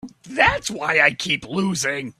That's why I keep losing.